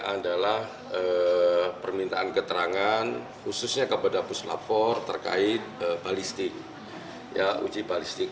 adalah permintaan keterangan khususnya kepada pus lab empat terkait balistik ya uji balistik